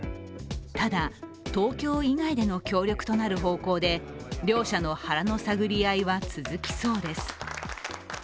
ただ東京以外での協力となる方向で両者の腹の探り合いは続きそうです。